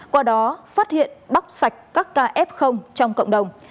qua đó phát hiện bóc sạch các kf trong cộng đồng